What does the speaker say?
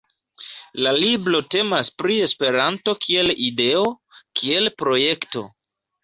La libro temas pri Esperanto kiel ideo, kiel projekto.